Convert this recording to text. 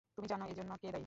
তুমি জান এজন্যে কে দায়ী?